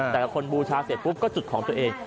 แต่ละคนบูชาเสร็จปุ๊บก็จุดของตัวเอง